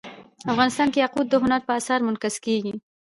افغانستان کې یاقوت د هنر په اثار کې منعکس کېږي.